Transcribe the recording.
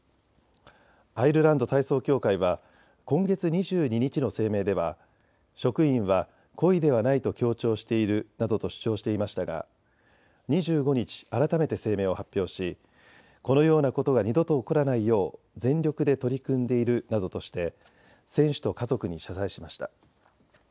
アイルランド体操協会は今月２２日の声明では職員は故意ではないと強調しているなどと主張していましたが２５日、改めて声明を発表しこのようなことが二度と起こらないよう全力で取り組んでいるなどとして選手と家族に謝罪しました。